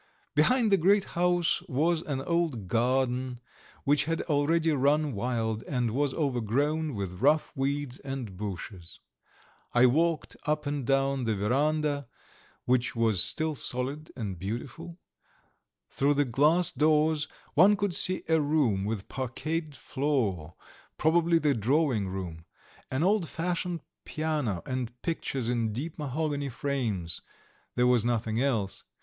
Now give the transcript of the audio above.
Behind the great house was an old garden which had already run wild, and was overgrown with rough weeds and bushes. I walked up and down the verandah, which was still solid and beautiful; through the glass doors one could see a room with parquetted floor, probably the drawing room; an old fashioned piano and pictures in deep mahogany frames there was nothing else.